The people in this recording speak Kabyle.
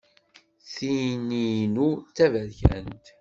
Tin-inu d taberkant!